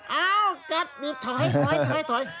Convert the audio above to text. เอ้ากัดถอย